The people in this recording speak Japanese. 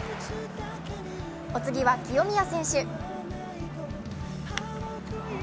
お次は清宮選手。